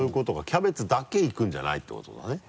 キャベツだけいくんじゃないってことだね？